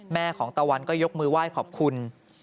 แม่ของตะวันก็ยกมือไหว้ขอบคุณ